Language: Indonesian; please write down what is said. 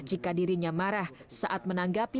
jika dirinya marah saat menanggapi